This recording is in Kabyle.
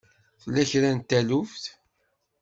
Tella kra n taluft?